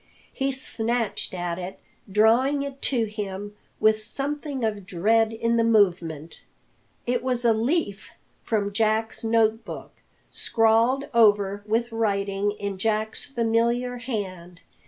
He snatched at it, drawing it to him with something of dread in the movement. It was a leaf from Jacks note book, scrawled over with writing in Jack's familiar hand.